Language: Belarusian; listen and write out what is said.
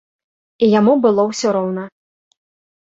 І яму было ўсё роўна.